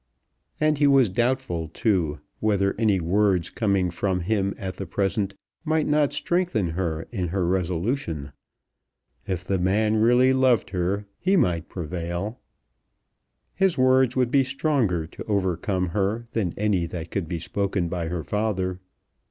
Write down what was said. And he was doubtful, too, whether any words coming from him at the present might not strengthen her in her resolution. If the man really loved her he might prevail. His words would be stronger to overcome her than any that could be spoken by her father.